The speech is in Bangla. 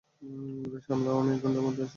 উনাদের সামলাও, আমি এক ঘন্টার মধ্যে আসছি।